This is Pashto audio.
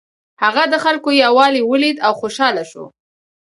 هغه د خلکو یووالی ولید او خوشحاله شو.